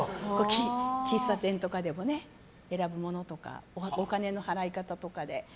喫茶店とかでもね、選ぶものとかお金の払い方とかで。